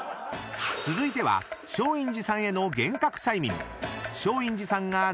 ［続いては松陰寺さんへの幻覚催眠］